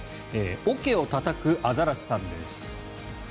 桶をたたくアザラシさんです。